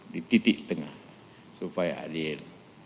di titik tengah supaya adil